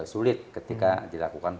sulit ketika dilakukan